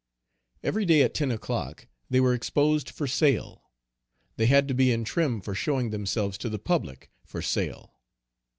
Every day at 10 o'clock they were exposed for sale. They had to be in trim for showing themselves to the public for sale.